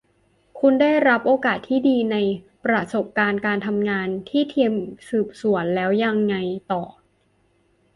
คุณได้รับโอกาสที่ดีในประสบการณ์การทำงานกับทีมสืบสวน แล้วยังไงต่อ